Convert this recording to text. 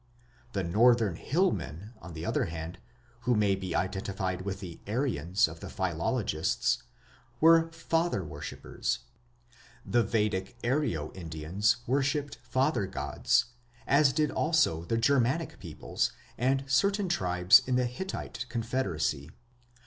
The northern hillmen, on the other hand, who may be identified with the "Aryans" of the philologists, were father worshippers. The Vedic Aryo Indians worshipped father gods, as did also the Germanic peoples and certain tribes in the "Hittite confederacy".